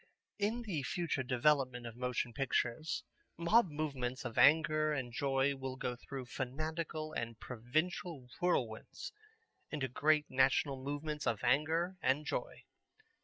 In the future development of motion pictures mob movements of anger and joy will go through fanatical and provincial whirlwinds into great national movements of anger and joy.